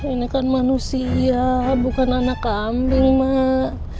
ini kan manusia bukan anak kambing mak